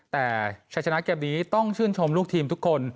แต่ชัยชนะเกมนี้ต้องชื่นชมลูกทีมทุกคน